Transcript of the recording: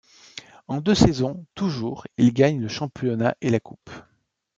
En deux saisons, toujours, il gagne le championnat et la Coupe.